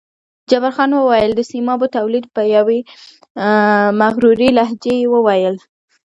جبار خان وویل: د سیمابو تولید، په یوې مغرورې لهجې یې وویل.